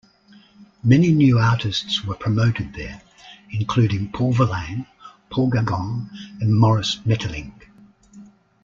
Many new artists were promoted there, including Paul Verlaine, Paul Gauguin, and Maurice Maeterlinck.